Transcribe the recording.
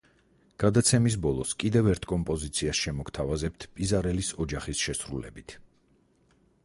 გადაცემის ბოლოს კიდევ ერთ კომპოზიციას შემოგთავაზებთ პიზარელის ოჯახის შესრულებით.